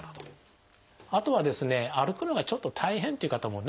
あとはですね歩くのがちょっと大変っていう方もね